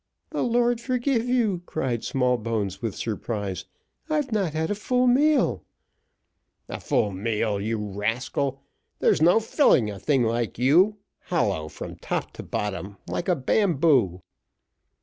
"The Lord forgive you'" cried Smallbones, with surprise; "I've not had a full meal" "A full meal, you rascal! there's no filling a thing like you hollow from top to bottom, like a bamboo."